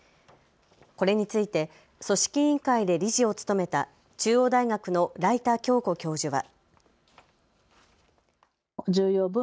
これについて組織委員会で理事を務めた中央大学の來田亨子教授は。